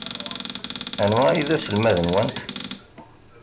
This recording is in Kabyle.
Anwa ay d aselmad-nwent?